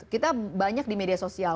kita banyak di media sosial